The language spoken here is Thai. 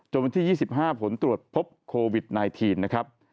วันที่๒๕ผลตรวจพบโควิด๑๙นะครับ